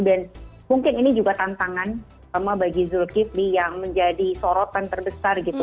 dan mungkin ini juga tantangan sama bagi zulkifli yang menjadi sorotan terbesar gitu